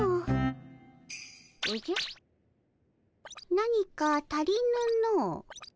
何か足りぬの。